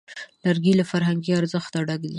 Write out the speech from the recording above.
لرګی له فرهنګي ارزښت ډک دی.